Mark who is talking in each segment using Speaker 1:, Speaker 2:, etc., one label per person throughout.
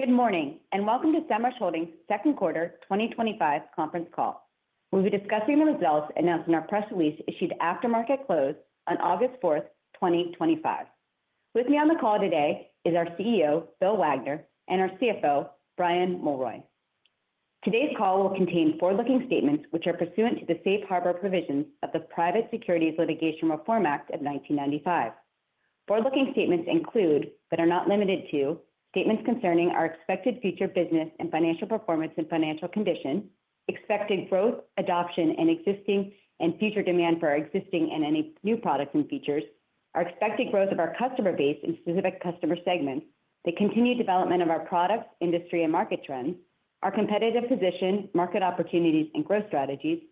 Speaker 1: Good morning and welcome to Semrush Holdings Inc.'s second quarter 2025 conference call. We'll be discussing the results announcing our press release issued after market close on August 4, 2025. With me on the call today is our CEO, Bill Wagner, and our CFO, Brian Mulroy. Today's call will contain forward-looking statements which are pursuant to the Safe Harbor provisions of the Private Securities Litigation Reform Act of 1995. Forward-looking statements include, but are not limited to, statements concerning our expected future business and financial performance and financial condition, expected growth, adoption, and existing and future demand for our existing and any new products and features, our expected growth of our customer base in specific customer segments, the continued development of our products, industry, and market trends, our competitive position, market opportunities, and growth strategies,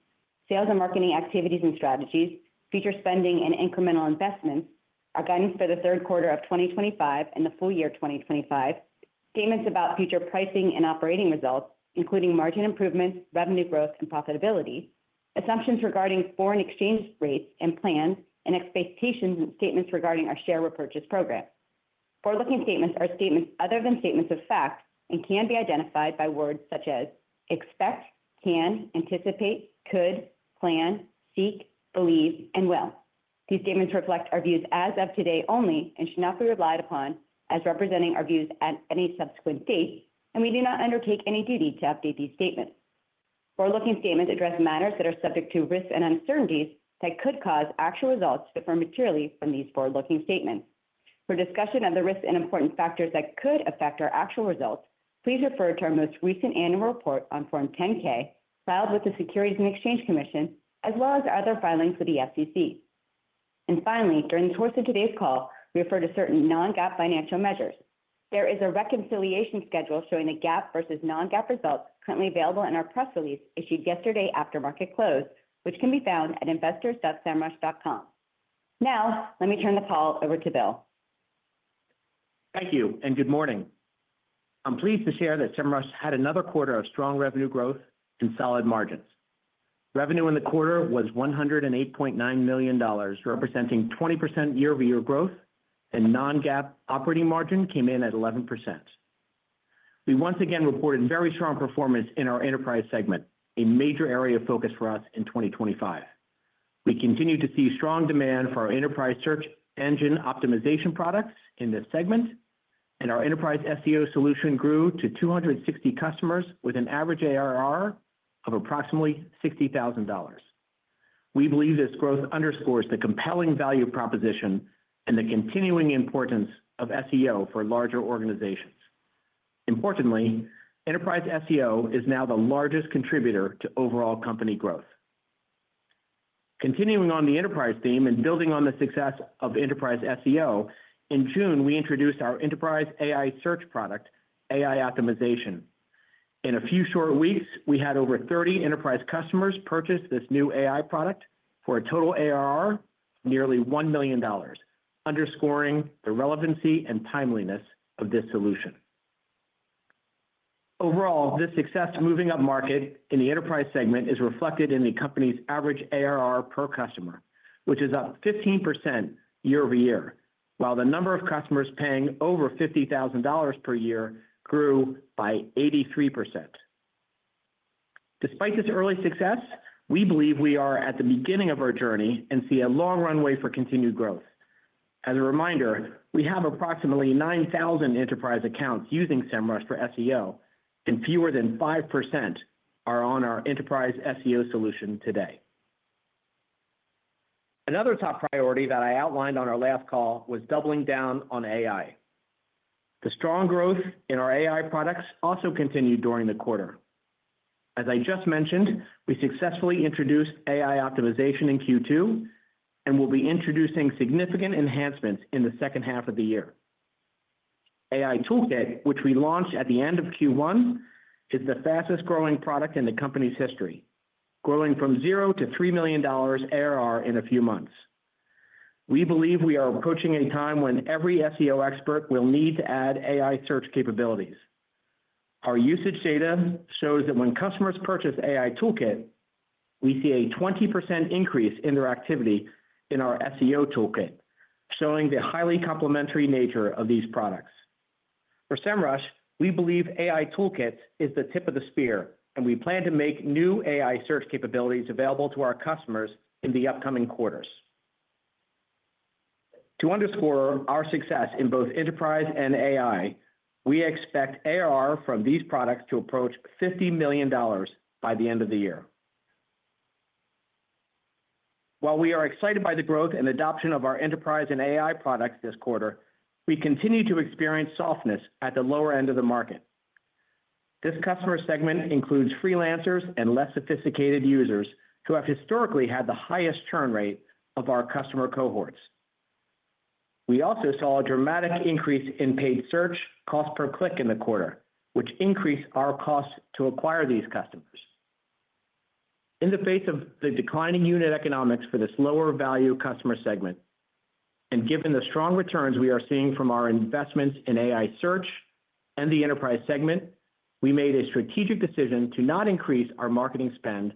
Speaker 1: sales and marketing activities and strategies, future spending and incremental investments, our guidance for the third quarter of 2025 and the full year 2025, statements about future pricing and operating results, including margin improvements, revenue growth, and profitability, assumptions regarding foreign exchange rates and plans, and expectations and statements regarding our share repurchase program. Forward-looking statements are statements other than statements of fact and can be identified by words such as expect, can, anticipate, could, plan, seek, believe, and will. These statements reflect our views as of today only and should not be relied upon as representing our views at any subsequent date, and we do not undertake any duty to update these statements. Forward-looking statements address matters that are subject to risks and uncertainties that could cause actual results to differ materially from these forward-looking statements. For discussion of the risks and important factors that could affect our actual results, please refer to our most recent annual report on Form 10-K filed with the Securities and Exchange Commission, as well as other filings with the SEC. Finally, during the course of today's call, we refer to certain non-GAAP financial measures. There is a reconciliation schedule showing the GAAP versus non-GAAP results currently available in our press release issued yesterday after market close, which can be found at investors.semrush.com. Now, let me turn the call over to Bill.
Speaker 2: Thank you and good morning. I'm pleased to share that Semrush had another quarter of strong revenue growth and solid margins. Revenue in the quarter was $108.9 million, representing 20% year-over-year growth, and non-GAAP operating margin came in at 11%. We once again reported very strong performance in our enterprise segment, a major area of focus for us in 2025. We continued to see strong demand for our enterprise search engine optimization products in this segment, and our Enterprise SEO Solution grew to 260 customers with an average ARR of approximately $60,000. We believe this growth underscores the compelling value proposition and the continuing importance of SEO for larger organizations. Importantly, enterprise SEO is now the largest contributor to overall company growth. Continuing on the enterprise theme and building on the success of enterprise SEO, in June, we introduced our enterprise AI search product, Enterprise AI Optimization. In a few short weeks, we had over 30 enterprise customers purchase this new AI product for a total ARR of nearly $1 million, underscoring the relevancy and timeliness of this solution. Overall, this success moving up market in the enterprise segment is reflected in the company's average ARR per customer, which is up 15% year-over-year, while the number of customers paying over $50,000 per year grew by 83%. Despite this early success, we believe we are at the beginning of our journey and see a long runway for continued growth. As a reminder, we have approximately 9,000 enterprise accounts using Semrush for SEO, and fewer than 5% are on our Enterprise SEO Solution today. Another top priority that I outlined on our last call was doubling down on AI. The strong growth in our AI products also continued during the quarter. As I just mentioned, we successfully introduced Enterprise AI Optimization in Q2 and will be introducing significant enhancements in the second half of the year. AI Toolkit, which we launched at the end of Q1, is the fastest growing product in the company's history, growing from $0 to $3 million ARR in a few months. We believe we are approaching a time when every SEO expert will need to add AI search capabilities. Our usage data shows that when customers purchase AI Toolkit, we see a 20% increase in their activity in our SEO toolkit, showing the highly complementary nature of these products. For Semrush, we believe AI Toolkit is the tip of the spear, and we plan to make new AI search capabilities available to our customers in the upcoming quarters. To underscore our success in both enterprise and AI, we expect ARR from these products to approach $50 million by the end of the year. While we are excited by the growth and adoption of our enterprise and AI products this quarter, we continue to experience softness at the lower end of the market. This customer segment includes freelancers and less sophisticated users who have historically had the highest churn rate of our customer cohorts. We also saw a dramatic increase in paid search cost per click in the quarter, which increased our cost to acquire these customers. In the face of the declining unit economics for this lower value customer segment, and given the strong returns we are seeing from our investments in AI search and the enterprise segment, we made a strategic decision to not increase our marketing spend,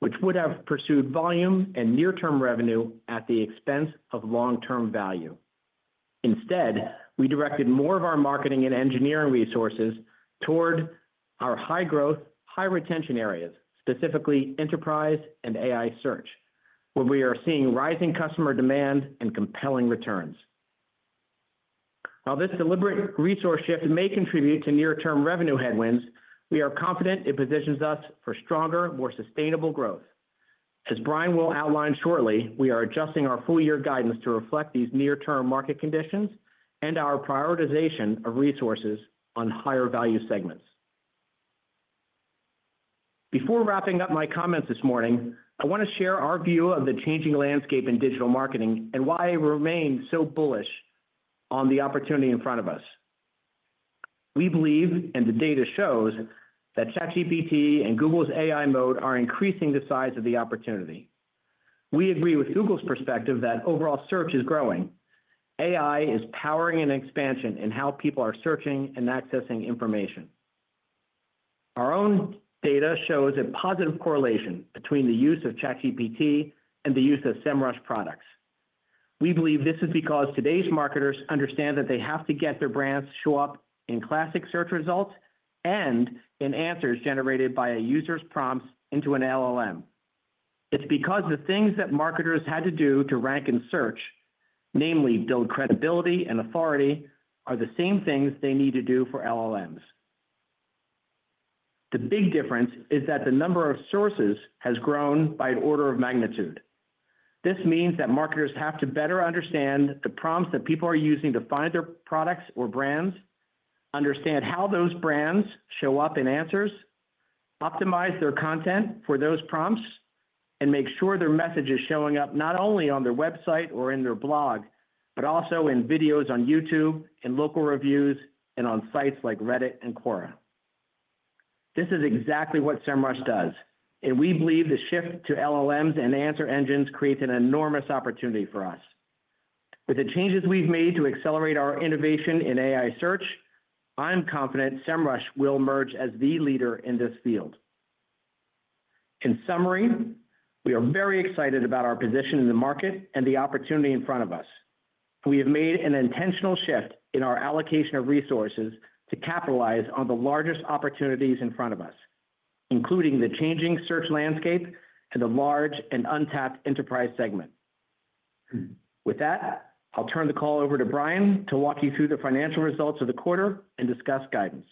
Speaker 2: which would have pursued volume and near-term revenue at the expense of long-term value. Instead, we directed more of our marketing and engineering resources toward our high growth, high retention areas, specifically enterprise and AI search, where we are seeing rising customer demand and compelling returns. While this deliberate resource shift may contribute to near-term revenue headwinds, we are confident it positions us for stronger, more sustainable growth. As Brian will outline shortly, we are adjusting our full-year guidance to reflect these near-term market conditions and our prioritization of resources on higher value segments. Before wrapping up my comments this morning, I want to share our view of the changing landscape in digital marketing and why I remain so bullish on the opportunity in front of us. We believe, and the data shows, that ChatGPT and Google's AI mode are increasing the size of the opportunity. We agree with Google's perspective that overall search is growing. AI is powering an expansion in how people are searching and accessing information. Our own data shows a positive correlation between the use of ChatGPT and the use of Semrush products. We believe this is because today's marketers understand that they have to get their brands to show up in classic search results and in answers generated by a user's prompts into an LLM. It's because the things that marketers had to do to rank in search, namely build credibility and authority, are the same things they need to do for LLMs. The big difference is that the number of sources has grown by an order of magnitude. This means that marketers have to better understand the prompts that people are using to find their products or brands, understand how those brands show up in answers, optimize their content for those prompts, and make sure their message is showing up not only on their website or in their blog, but also in videos on YouTube and local reviews and on sites like Reddit and Quora. This is exactly what Semrush does, and we believe the shift to LLMs and answer engines creates an enormous opportunity for us. With the changes we've made to accelerate our innovation in AI search, I'm confident Semrush will emerge as the leader in this field. In summary, we are very excited about our position in the market and the opportunity in front of us. We have made an intentional shift in our allocation of resources to capitalize on the largest opportunities in front of us, including the changing search landscape and the large and untapped enterprise segment. With that, I'll turn the call over to Brian to walk you through the financial results of the quarter and discuss guidance.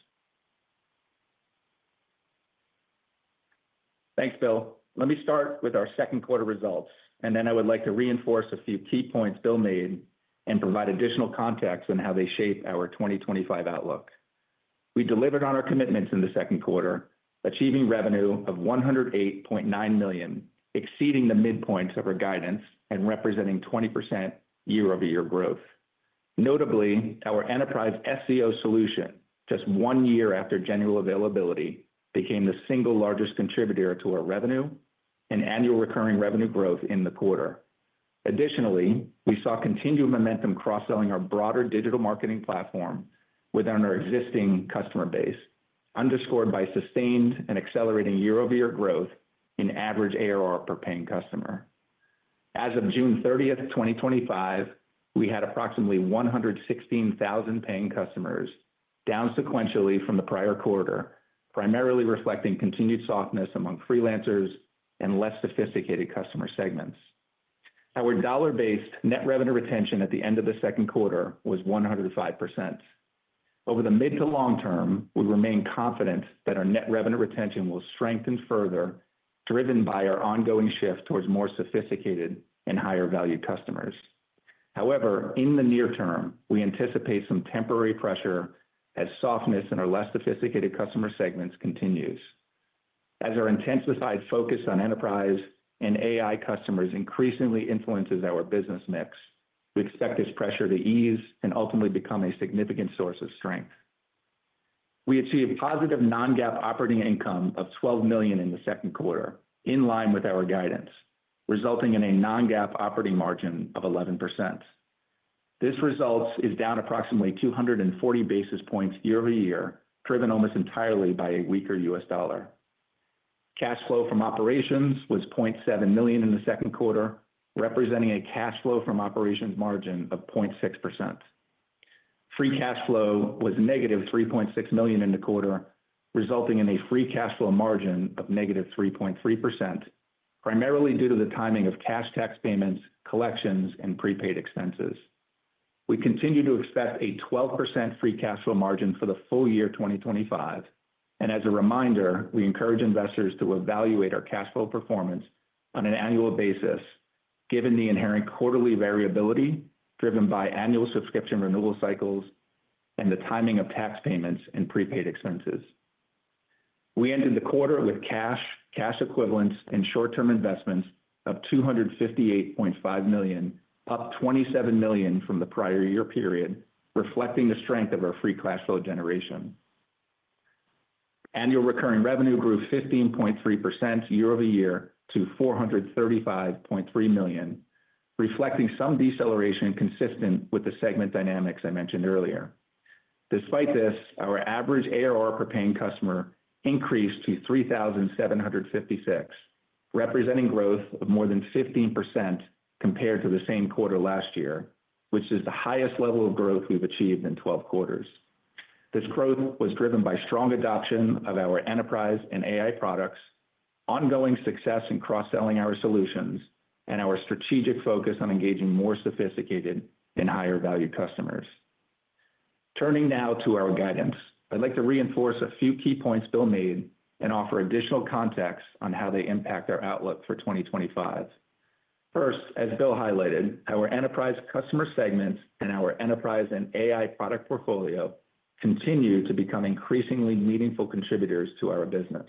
Speaker 3: Thanks, Bill. Let me start with our second quarter results, and then I would like to reinforce a few key points Bill made and provide additional context on how they shape our 2025 outlook. We delivered on our commitments in the second quarter, achieving revenue of $108.9 million, exceeding the midpoint of our guidance and representing 20% year-over-year growth. Notably, our Enterprise SEO Solution, just one year after general availability, became the single largest contributor to our revenue and annual recurring revenue growth in the quarter. Additionally, we saw continued momentum cross-selling our broader digital marketing platform within our existing customer base, underscored by sustained and accelerating year-over-year growth in average ARR per paying customer. As of June 30, 2025, we had approximately 116,000 paying customers, down sequentially from the prior quarter, primarily reflecting continued softness among freelancers and less sophisticated customer segments. Our dollar-based net revenue retention at the end of the second quarter was 105%. Over the mid to long term, we remain confident that our net revenue retention will strengthen further, driven by our ongoing shift towards more sophisticated and higher value customers. However, in the near term, we anticipate some temporary pressure as softness in our less sophisticated customer segments continues. As our intensified focus on enterprise and AI customers increasingly influences our business mix, we expect this pressure to ease and ultimately become a significant source of strength. We achieved positive non-GAAP operating income of $12 million in the second quarter, in line with our guidance, resulting in a non-GAAP operating margin of 11%. This result is down approximately 240 basis points year-over-year, driven almost entirely by a weaker U.S. dollar. Cash flow from operations was $0.7 million in the second quarter, representing a cash flow from operations margin of 0.6%. Free cash flow was negative $3.6 million in the quarter, resulting in a free cash flow margin of -3.3%, primarily due to the timing of cash tax payments, collections, and prepaid expenses. We continue to expect a 12% free cash flow margin for the full year 2025, and as a reminder, we encourage investors to evaluate our cash flow performance on an annual basis, given the inherent quarterly variability driven by annual subscription renewal cycles and the timing of tax payments and prepaid expenses. We ended the quarter with cash, cash equivalents, and short-term investments of $258.5 million, up $27 million from the prior year period, reflecting the strength of our free cash flow generation. Annual recurring revenue grew 15.3% year-over-year to $435.3 million, reflecting some deceleration consistent with the segment dynamics I mentioned earlier. Despite this, our average ARR per paying customer increased to $3,756, representing growth of more than 15% compared to the same quarter last year, which is the highest level of growth we've achieved in 12 quarters. This growth was driven by strong adoption of our enterprise and AI products, ongoing success in cross-selling our solutions, and our strategic focus on engaging more sophisticated and higher value customers. Turning now to our guidance, I'd like to reinforce a few key points Bill made and offer additional context on how they impact our outlook for 2025. First, as Bill Wagner highlighted, our enterprise customer segments and our enterprise and AI product portfolio continue to become increasingly meaningful contributors to our business,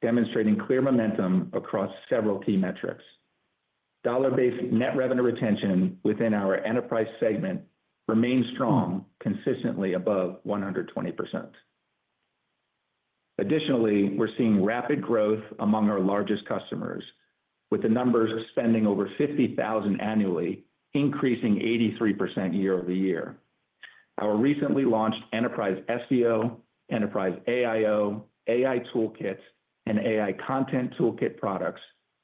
Speaker 3: demonstrating clear momentum across several key metrics. Dollar-based net revenue retention within our enterprise segment remains strong, consistently above 120%. Additionally, we're seeing rapid growth among our largest customers, with the number spending over $50,000 annually, increasing 83% year-over-year. Our recently launched Enterprise SEO Solution, Enterprise AI Optimization, AI Toolkit, and AI Content Toolkit products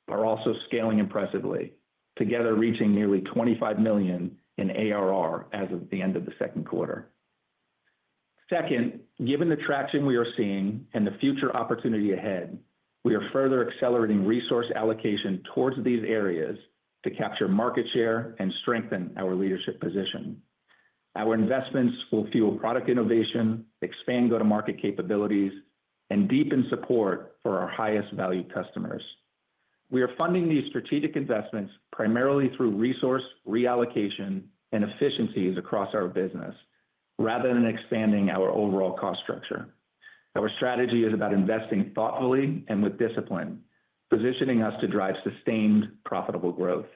Speaker 3: are also scaling impressively, together reaching nearly $25 million in annual recurring revenue (ARR) as of the end of the second quarter. Second, given the traction we are seeing and the future opportunity ahead, we are further accelerating resource allocation towards these areas to capture market share and strengthen our leadership position. Our investments will fuel product innovation, expand go-to-market capabilities, and deepen support for our highest value customers. We are funding these strategic investments primarily through resource reallocation and efficiencies across our business, rather than expanding our overall cost structure. Our strategy is about investing thoughtfully and with discipline, positioning us to drive sustained, profitable growth.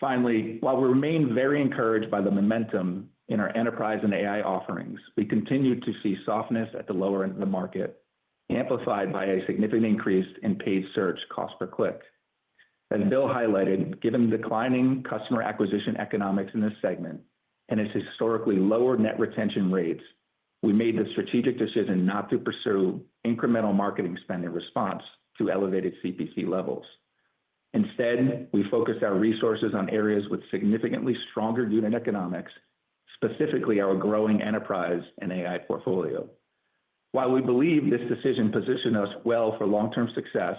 Speaker 3: Finally, while we remain very encouraged by the momentum in our enterprise and AI offerings, we continue to see softness at the lower end of the market, amplified by a significant increase in paid search cost per click. As Bill Wagner highlighted, given the declining customer acquisition economics in this segment and its historically lower net retention rates, we made the strategic decision not to pursue incremental marketing spend in response to elevated CPC levels. Instead, we focused our resources on areas with significantly stronger unit economics, specifically our growing enterprise and AI portfolio. While we believe this decision positioned us well for long-term success,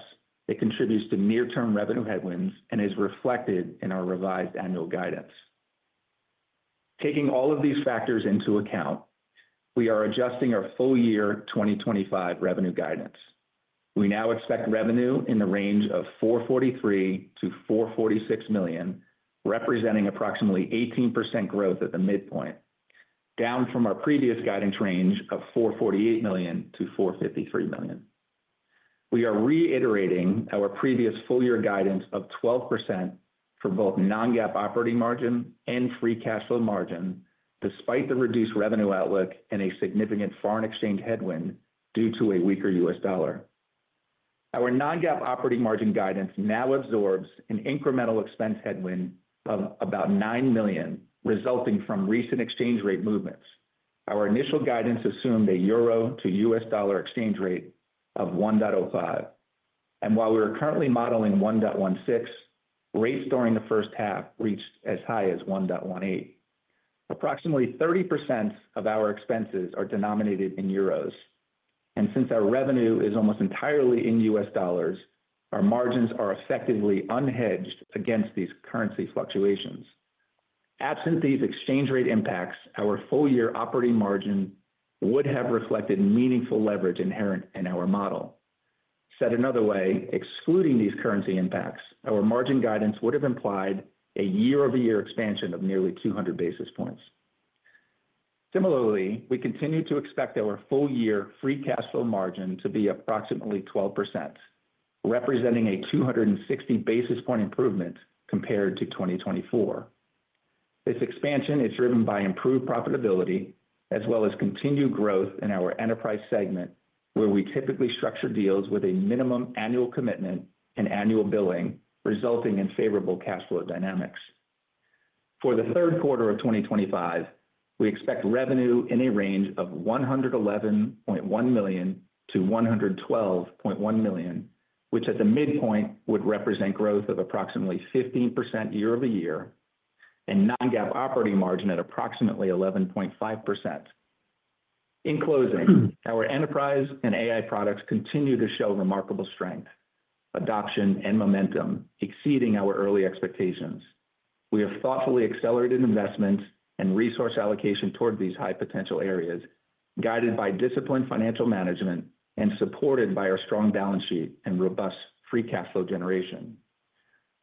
Speaker 3: it contributes to near-term revenue headwinds and is reflected in our revised annual guidance. Taking all of these factors into account, we are adjusting our full year 2025 revenue guidance. We now expect revenue in the range of $443 million-$446 million, representing approximately 18% growth at the midpoint, down from our previous guidance range of $448 million-$453 million. We are reiterating our previous full-year guidance of 12% for both non-GAAP operating margin and free cash flow margin, despite the reduced revenue outlook and a significant foreign exchange headwind due to a weaker U.S. dollar. Our non-GAAP operating margin guidance now absorbs an incremental expense headwind of about $9 million, resulting from recent exchange rate movements. Our initial guidance assumed a euro to U.S. dollar exchange rate of 1.05, and while we are currently modeling 1.16, rates during the first half reached as high as 1.18. Approximately 30% of our expenses are denominated in euros, and since our revenue is almost entirely in U.S. dollars, our margins are effectively unhedged against these currency fluctuations. Absent these exchange rate impacts, our full-year operating margin would have reflected meaningful leverage inherent in our model. Said another way, excluding these currency impacts, our margin guidance would have implied a year-over-year expansion of nearly 200 basis points. Similarly, we continue to expect our full-year free cash flow margin to be approximately 12%, representing a 260 basis point improvement compared to 2024. This expansion is driven by improved profitability, as well as continued growth in our enterprise segment, where we typically structure deals with a minimum annual commitment and annual billing, resulting in favorable cash flow dynamics. For the third quarter of 2025, we expect revenue in a range of $111.1 million-$112.1 million, which at the midpoint would represent growth of approximately 15% year-over-year, and non-GAAP operating margin at approximately 11.5%. In closing, our enterprise and AI products continue to show remarkable strength, adoption, and momentum, exceeding our early expectations. We have thoughtfully accelerated investments and resource allocation toward these high potential areas, guided by disciplined financial management and supported by our strong balance sheet and robust free cash flow generation.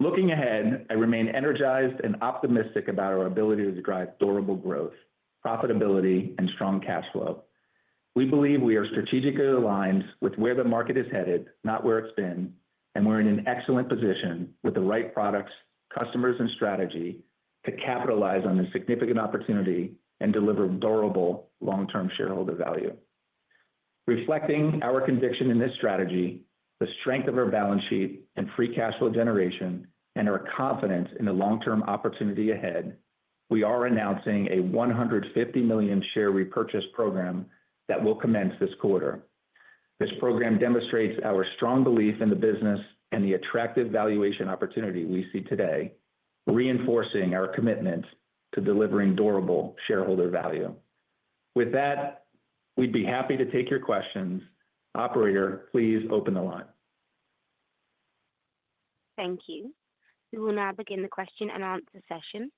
Speaker 3: Looking ahead, I remain energized and optimistic about our ability to drive durable growth, profitability, and strong cash flow. We believe we are strategically aligned with where the market is headed, not where it's been, and we're in an excellent position with the right products, customers, and strategy to capitalize on this significant opportunity and deliver durable long-term shareholder value. Reflecting our conviction in this strategy, the strength of our balance sheet and free cash flow generation, and our confidence in the long-term opportunity ahead, we are announcing a $150 million share repurchase program that will commence this quarter. This program demonstrates our strong belief in the business and the attractive valuation opportunity we see today, reinforcing our commitment to delivering durable shareholder value. With that, we'd be happy to take your questions. Operator, please open the line.
Speaker 1: Thank you. We will now begin the question-and-answer session.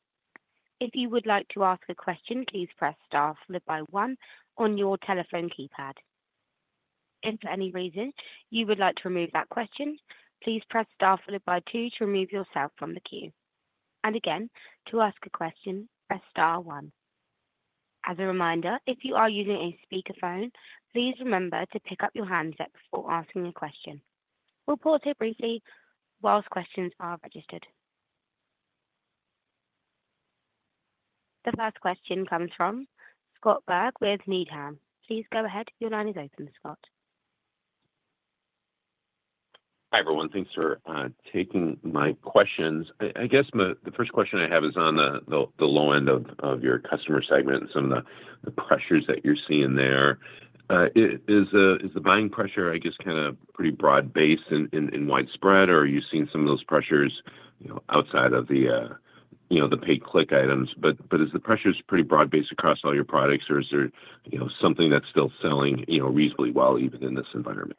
Speaker 1: If you would like to ask a question, please press star five on your telephone keypad. If for any reason you would like to remove that question, please press star two to remove yourself from the queue. To ask a question, press star one. As a reminder, if you are using a speakerphone, please remember to pick up your handsets before asking a question. We'll pause here briefly whilst questions are registered. The first question comes from Scott Berg with Needham & Company. Please go ahead, your line is open, Scott.
Speaker 4: Hi everyone, thanks for taking my questions. I guess the first question I have is on the low end of your customer segment, some of the pressures that you're seeing there. Is the buying pressure kind of pretty broad-based and widespread, or are you seeing some of those pressures outside of the paid click items? Is the pressure pretty broad-based across all your products, or is there something that's still selling reasonably well even in this environment?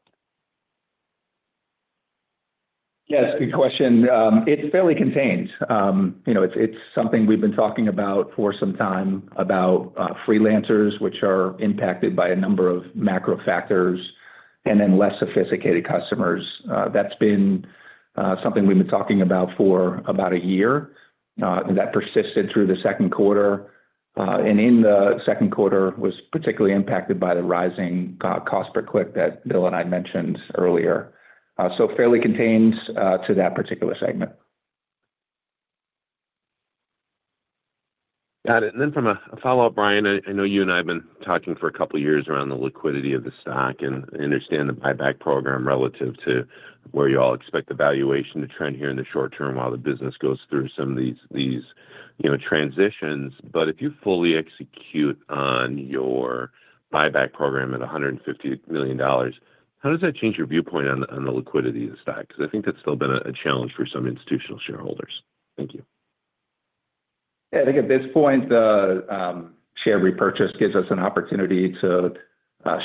Speaker 3: Yes, good question. It's fairly contained. It's something we've been talking about for some time about freelancers, which are impacted by a number of macro factors, and then less sophisticated customers. That's been something we've been talking about for about a year. That persisted through the second quarter, and in the second quarter was particularly impacted by the rising cost per click that Bill and I mentioned earlier. It's fairly contained to that particular segment.
Speaker 4: Got it. From a follow-up, Brian, I know you and I have been talking for a couple of years around the liquidity of the stock and understand the buyback program relative to where you all expect the valuation to trend here in the short term while the business goes through some of these transitions. If you fully execute on your buyback program at $150 million, how does that change your viewpoint on the liquidity of the stock? I think that's still been a challenge for some institutional shareholders. Thank you.
Speaker 3: Yeah, I think at this point, the share repurchase gives us an opportunity to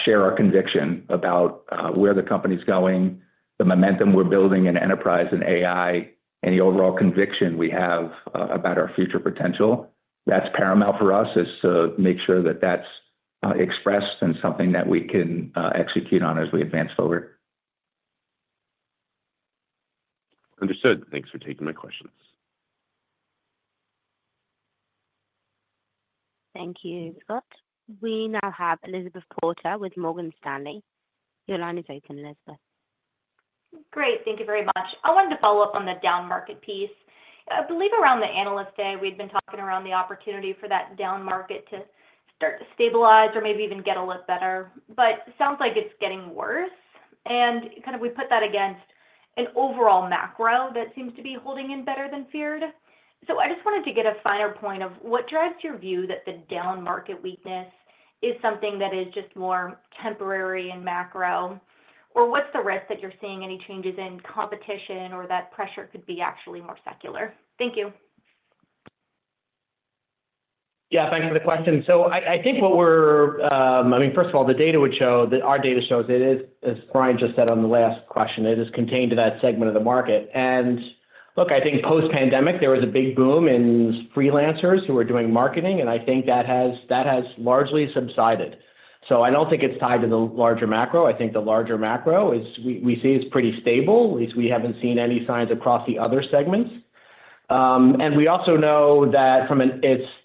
Speaker 3: share our conviction about where the company's going, the momentum we're building in enterprise and AI, and the overall conviction we have about our future potential. What's paramount for us is to make sure that that's expressed and something that we can execute on as we advance forward.
Speaker 4: Understood. Thanks for taking my questions.
Speaker 1: Thank you, Scott. We now have Elizabeth Porter with Morgan Stanley. Your line is open, Elizabeth.
Speaker 5: Great, thank you very much. I wanted to follow up on the down market piece. I believe around the analyst day, we'd been talking around the opportunity for that down market to start to stabilize or maybe even get a look better. It sounds like it's getting worse. We put that against an overall macro that seems to be holding in better than feared. I just wanted to get a finer point of what drives your view that the down market weakness is something that is just more temporary and macro? What's the risk that you're seeing any changes in competition or that pressure could be actually more secular? Thank you.
Speaker 2: Yeah, thanks for the question. I think what we're, first of all, the data would show that our data shows it is, as Brian just said on the last question, it is contained to that segment of the market. I think post-pandemic, there was a big boom in freelancers who were doing marketing, and I think that has largely subsided. I don't think it's tied to the larger macro. I think the larger macro we see is pretty stable. At least we haven't seen any signs across the other segments. We also know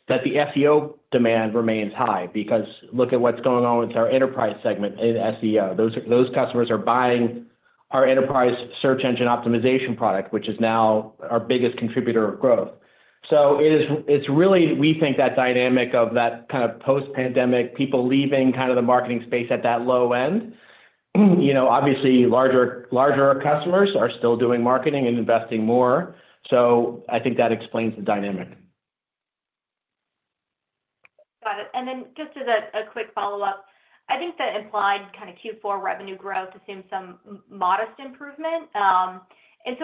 Speaker 2: that the SEO demand remains high because look at what's going on with our enterprise segment in SEO. Those customers are buying our Enterprise SEO Solution, which is now our biggest contributor of growth. It is really, we think, that dynamic of that kind of post-pandemic people leaving the marketing space at that low end. Obviously, larger customers are still doing marketing and investing more. I think that explains the dynamic.
Speaker 5: Got it. Just as a quick follow-up, I think that implied kind of Q4 revenue growth assumes some modest improvement.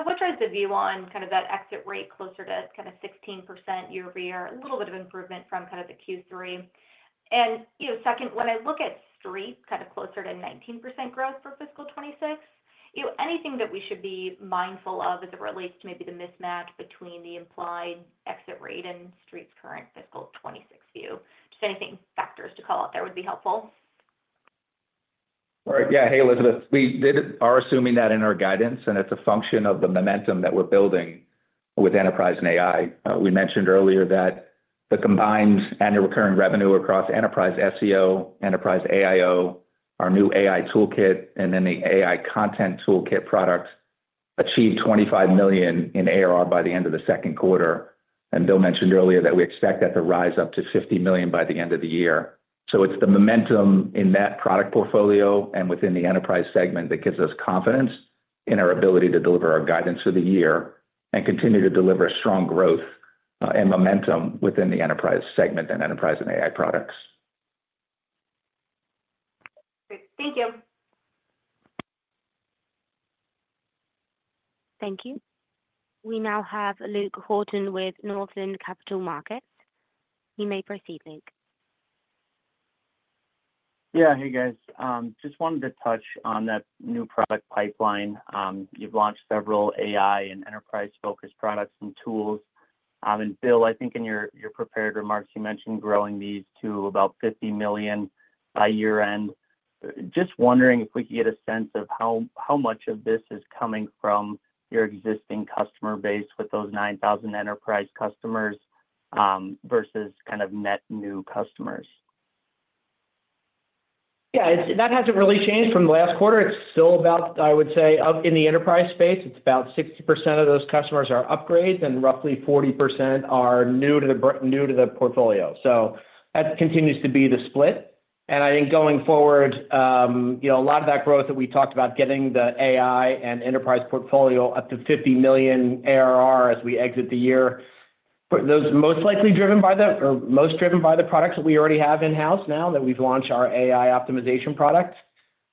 Speaker 5: What drives the view on that exit rate closer to 16% year-over-year, a little bit of improvement from Q3? When I look at Street kind of closer to 19% growth for fiscal 2026, is there anything that we should be mindful of as it relates to maybe the mismatch between the implied exit rate and Street's current fiscal 2026 view? Anything factors to call out there would be helpful.
Speaker 3: Right. Yeah. Hey, Elizabeth, we are assuming that in our guidance, and it's a function of the momentum that we're building with enterprise and AI. We mentioned earlier that the combined annual recurring revenue across Enterprise SEO Solution, Enterprise AI Optimization, our new AI Toolkit, and then the AI Content Toolkit products achieved $25 million in ARR by the end of the second quarter. Bill mentioned earlier that we expect that to rise up to $50 million by the end of the year. It's the momentum in that product portfolio and within the enterprise segment that gives us confidence in our ability to deliver our guidance for the year and continue to deliver strong growth and momentum within the enterprise segment and enterprise and AI products.
Speaker 5: Thank you.
Speaker 1: Thank you. We now have Luke Horton with Northland Capital Markets. You may proceed, Luke.
Speaker 6: Yeah, hey guys, just wanted to touch on that new product pipeline. You've launched several AI and enterprise-focused products and tools. Bill, I think in your prepared remarks, you mentioned growing these to about $50 million by year-end. Just wondering if we could get a sense of how much of this is coming from your existing customer base with those 9,000 enterprise customers versus kind of net new customers.
Speaker 2: Yeah, that hasn't really changed from the last quarter. It's still about, I would say, in the enterprise space, it's about 60% of those customers are upgrades and roughly 40% are new to the portfolio. That continues to be the split. I think going forward, a lot of that growth that we talked about, getting the AI and enterprise portfolio up to $50 million ARR as we exit the year, those are most likely driven by the products that we already have in-house now that we've launched our AI Optimization product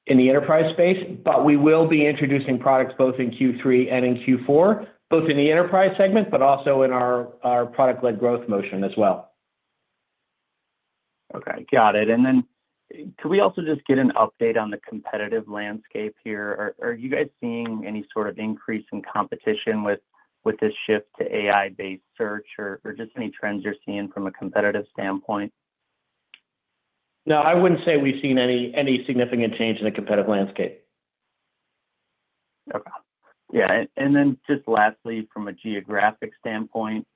Speaker 2: in the enterprise space. We will be introducing products both in Q3 and in Q4, both in the enterprise segment, but also in our product-led growth motion as well.
Speaker 6: Okay, got it. Could we also just get an update on the competitive landscape here? Are you guys seeing any sort of increase in competition with this shift to AI-based search or just any trends you're seeing from a competitive standpoint?
Speaker 2: No, I wouldn't say we've seen any significant change in the competitive landscape.
Speaker 6: Okay. Yeah. Lastly, from a geographic standpoint,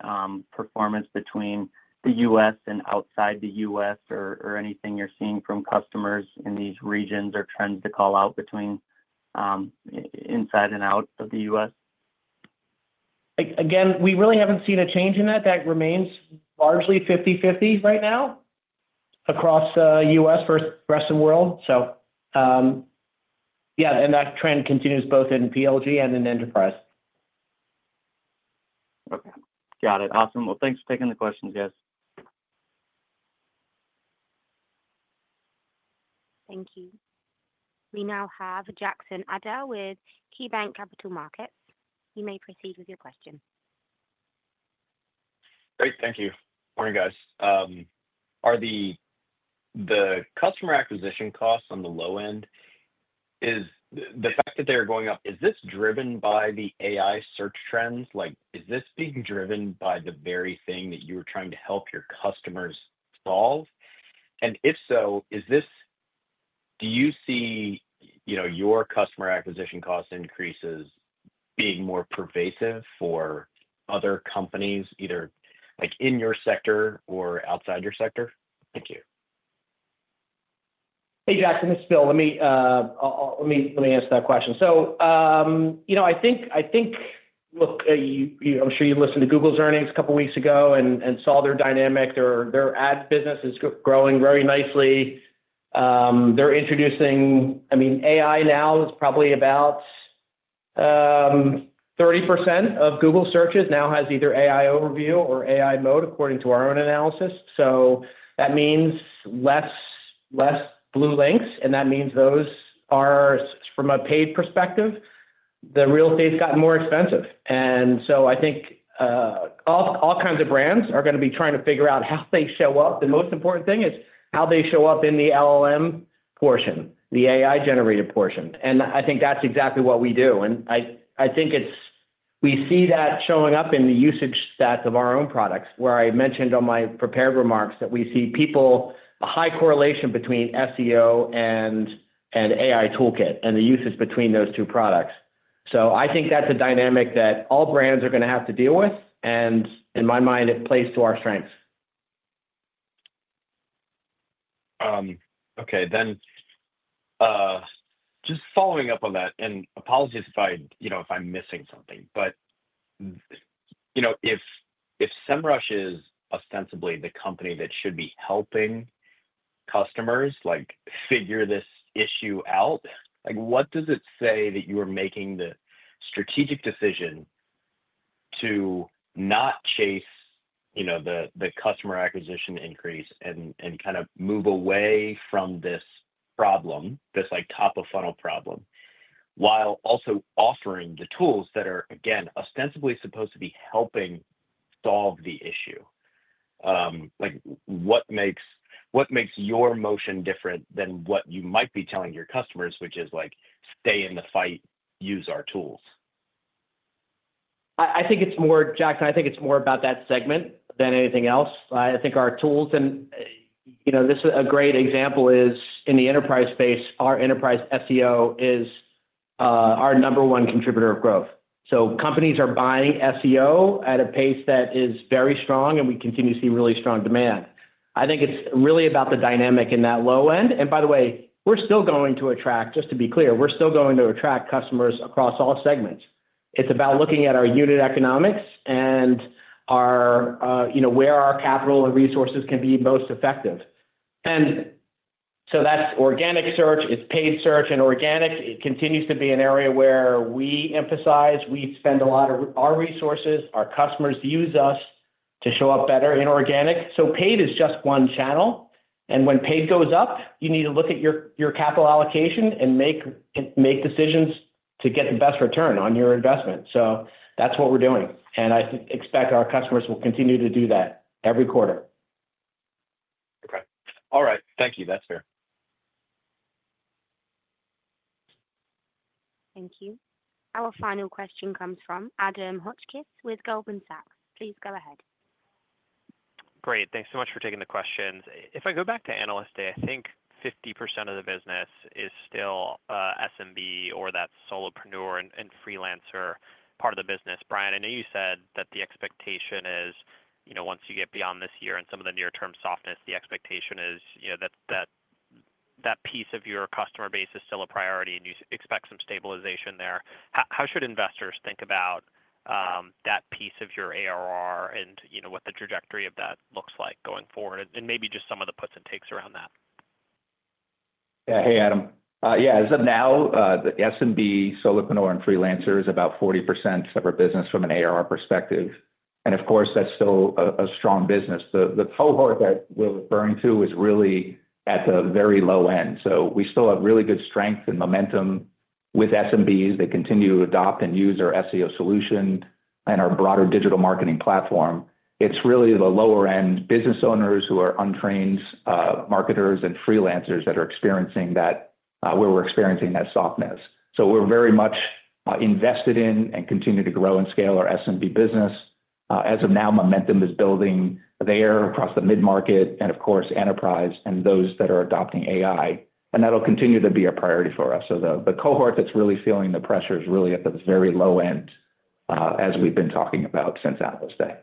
Speaker 6: performance between the U.S. and outside the U.S., or anything you're seeing from customers in these regions or trends to call out between inside and out of the U.S.?
Speaker 2: We really haven't seen a change in that. That remains largely 50-50 right now across the U.S. versus the rest of the world. Yeah, that trend continues both in PLG and in enterprise.
Speaker 6: Okay, got it. Awesome. Thanks for taking the questions, guys.
Speaker 1: Thank you. We now have Jackson Ader with KeyBanc Capital Markets Inc. You may proceed with your question.
Speaker 7: Great, thank you. Morning, guys. Are the customer acquisition costs on the low end? Is the fact that they're going up, is this driven by the AI search trends? Is this being driven by the very thing that you're trying to help your customers solve? If so, do you see your customer acquisition cost increases being more pervasive for other companies, either in your sector or outside your sector? Thank you.
Speaker 2: Hey Jackson, this is Bill. Let me answer that question. I think, look, I'm sure you listened to Google's earnings a couple of weeks ago and saw their dynamic. Their ads business is growing very nicely. They're introducing, I mean, AI now is probably about 30% of Google searches now has either AI overview or AI mode according to our own analysis. That means less blue links, and that means those are, from a paid perspective, the real estate's gotten more expensive. I think all kinds of brands are going to be trying to figure out how they show up. The most important thing is how they show up in the LLM portion, the AI-generated portion. I think that's exactly what we do. We see that showing up in the usage stats of our own products, where I mentioned on my prepared remarks that we see people, a high correlation between SEO and AI Toolkit and the usage between those two products. I think that's a dynamic that all brands are going to have to deal with. In my mind, it plays to our strengths.
Speaker 7: Okay, just following up on that, and apologies if I, you know, if I'm missing something, but you know, if Semrush is ostensibly the company that should be helping customers figure this issue out, what does it say that you are making the strategic decision to not chase the customer acquisition increase and kind of move away from this problem, this top-of-funnel problem, while also offering the tools that are, again, ostensibly supposed to be helping solve the issue? What makes your motion different than what you might be telling your customers, which is stay in the fight, use our tools?
Speaker 2: I think it's more, Jack, and I think it's more about that segment than anything else. I think our tools, and you know, this is a great example, is in the enterprise space. Our Enterprise SEO Solution is our number one contributor of growth. Companies are buying SEO at a pace that is very strong, and we continue to see really strong demand. I think it's really about the dynamic in that low end. By the way, we're still going to attract, just to be clear, we're still going to attract customers across all segments. It's about looking at our unit economics and where our capital and resources can be most effective. That's organic search, it's paid search, and organic continues to be an area where we emphasize. We spend a lot of our resources, our customers use us to show up better in organic. Paid is just one channel. When paid goes up, you need to look at your capital allocation and make decisions to get the best return on your investment. That's what we're doing. I expect our customers will continue to do that every quarter.
Speaker 7: Okay. All right. Thank you. That's fair.
Speaker 1: Thank you. Our final question comes from Adam Hotchkiss with Goldman Sachs. Please go ahead.
Speaker 8: Great. Thanks so much for taking the questions. If I go back to analyst day, I think 50% of the business is still SMB or that solopreneur and freelancer part of the business. Brian, I know you said that the expectation is, you know, once you get beyond this year and some of the near-term softness, the expectation is that that piece of your customer base is still a priority and you expect some stabilization there. How should investors think about that piece of your ARR and what the trajectory of that looks like going forward and maybe just some of the puts and takes around that?
Speaker 3: Yeah, hey Adam. As of now, the SMB, solopreneur, and freelancer is about 40% of our business from an ARR perspective. Of course, that's still a strong business. The cohort that we're referring to is really at the very low end. We still have really good strength and momentum with SMBs that continue to adopt and use our SEO solution and our broader digital marketing platform. It's really the lower end business owners who are untrained marketers and freelancers that are experiencing that, where we're experiencing that softness. We are very much invested in and continue to grow and scale our SMB business. As of now, momentum is building there across the mid-market and enterprise and those that are adopting AI. That'll continue to be a priority for us. The cohort that's really feeling the pressure is really at the very low end, as we've been talking about since analyst day.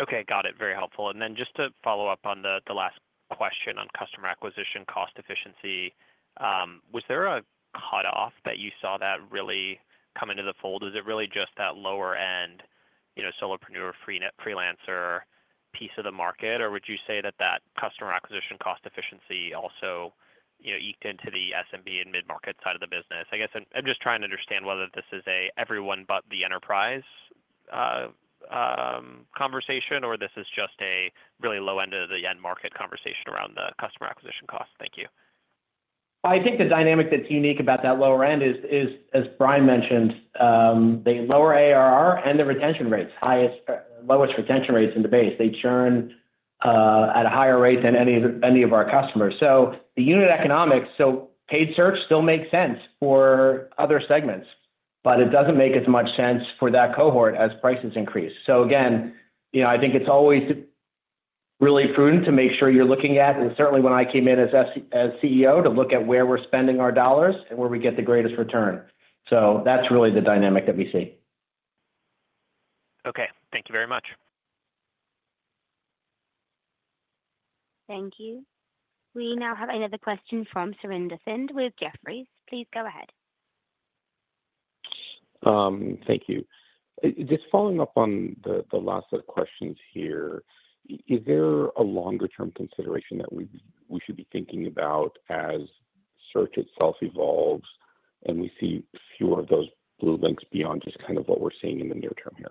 Speaker 8: Okay, got it. Very helpful. Just to follow up on the last question on customer acquisition cost efficiency, was there a cutoff that you saw that really come into the fold? Is it really just that lower end, you know, solopreneur, freelancer piece of the market, or would you say that that customer acquisition cost efficiency also, you know, eeked into the SMB and mid-market side of the business? I guess I'm just trying to understand whether this is an everyone but the enterprise conversation or this is just a really low end of the end market conversation around the customer acquisition cost. Thank you.
Speaker 2: I think the dynamic that's unique about that lower end is, as Brian mentioned, they have lower ARR and the lowest retention rates in the base. They churn at a higher rate than any of our customers. The unit economics of paid search still make sense for other segments, but it doesn't make as much sense for that cohort as prices increase. I think it's always really prudent to make sure you're looking at, and certainly when I came in as CEO, to look at where we're spending our dollars and where we get the greatest return. That's really the dynamic that we see.
Speaker 8: Okay, thank you very much.
Speaker 1: Thank you. We now have another question from Surinder Thind with Jefferies. Please go ahead.
Speaker 9: Thank you. Just following up on the last set of questions here, is there a longer-term consideration that we should be thinking about as search itself evolves and we see fewer of those blue links beyond just kind of what we're seeing in the near term here?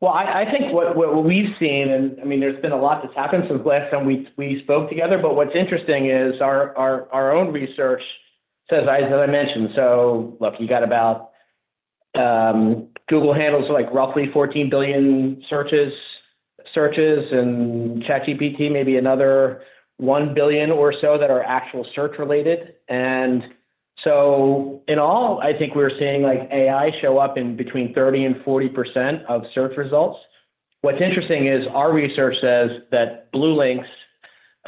Speaker 2: I think what we've seen, and there's been a lot that's happened since last time we spoke together, but what's interesting is our own research says, as I mentioned, look, you got about Google handles like roughly 14 billion searches and ChatGPT maybe another 1 billion or so that are actual search-related. In all, I think we're seeing AI show up in between 30% and 40% of search results. What's interesting is our research says that blue links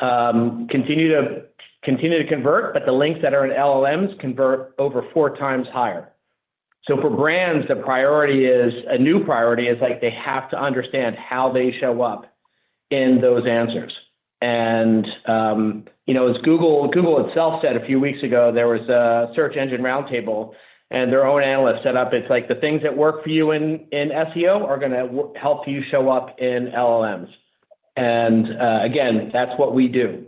Speaker 2: continue to convert, but the links that are in LLMs convert over four times higher. For brands, the priority is a new priority. It's like they have to understand how they show up in those answers. You know, as Google itself said a few weeks ago, there was a search engine roundtable and their own analysts set up. It's like the things that work for you in SEO are going to help you show up in LLMs. That's what we do.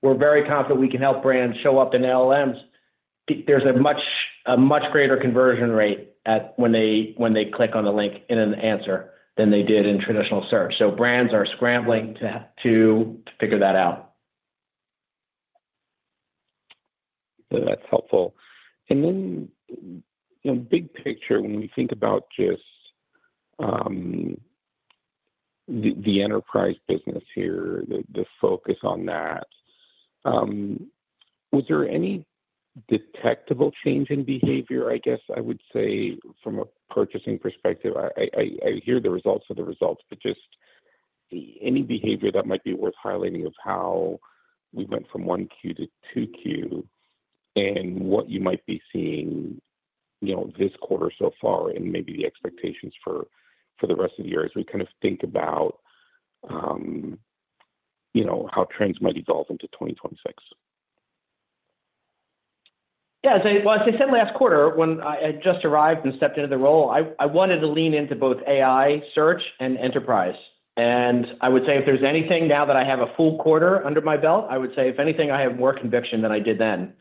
Speaker 2: We're very confident we can help brands show up in LLMs. There's a much greater conversion rate when they click on a link in an answer than they did in traditional search. Brands are scrambling to figure that out.
Speaker 9: That's helpful. When we think about just the enterprise business here, the focus on that, was there any detectable change in behavior from a purchasing perspective? I hear the results of the results, but just any behavior that might be worth highlighting of how we went from 1Q to 2Q and what you might be seeing this quarter so far and maybe the expectations for the rest of the year as we kind of think about how trends might evolve into 2026.
Speaker 2: Yeah, since last quarter, when I just arrived and stepped into the role, I wanted to lean into both AI, search, and enterprise. I would say if there's anything now that I have a full quarter under my belt, I have more conviction than I did then.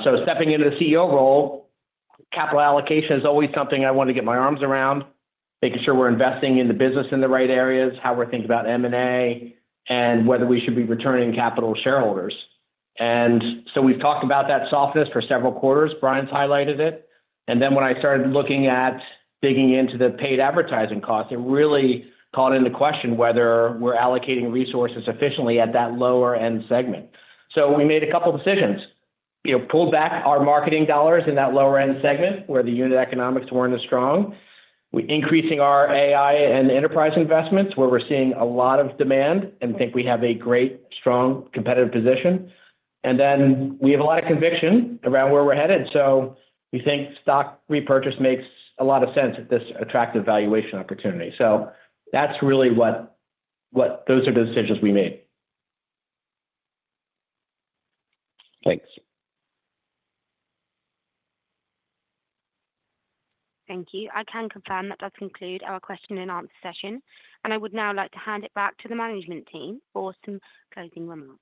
Speaker 2: Stepping into the CEO role, capital allocation is always something I want to get my arms around, making sure we're investing in the business in the right areas, how we're thinking about M&A, and whether we should be returning capital to shareholders. We've talked about that softness for several quarters. Brian's highlighted it. When I started looking at digging into the paid advertising cost, it really called into question whether we're allocating resources efficiently at that lower-end segment. We made a couple of decisions. We pulled back our marketing dollars in that lower-end segment where the unit economics weren't as strong. We're increasing our AI and enterprise investments where we're seeing a lot of demand and think we have a great, strong competitive position. We have a lot of conviction around where we're headed. We think stock repurchase makes a lot of sense at this attractive valuation opportunity. That's really what those are the decisions we made.
Speaker 9: Thanks.
Speaker 1: Thank you. I can confirm that concludes our question-and-answer session. I would now like to hand it back to the management team for some closing remarks.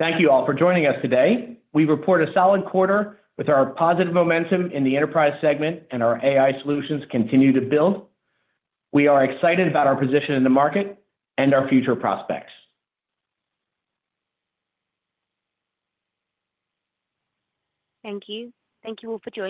Speaker 2: Thank you all for joining us today. We've reported a solid quarter with our positive momentum in the enterprise segment, and our AI solutions continue to build. We are excited about our position in the market and our future prospects.
Speaker 1: Thank you. Thank you all for joining.